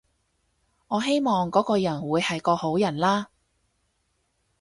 我希望嗰個人會係個好人啦